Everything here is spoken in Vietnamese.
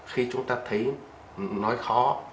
khi chúng ta thấy nói khó